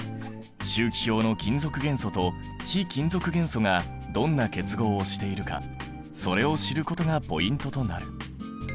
周期表の金属元素と非金属元素がどんな結合をしているかそれを知ることがポイントとなる。